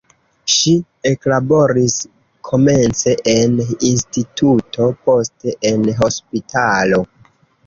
Ŝi eklaboris komence en instituto, poste en hospitalo.